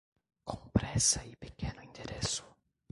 Com pressa e pequeno endereço.